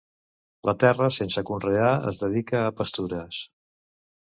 La terra sense conrear es dedica a pastures.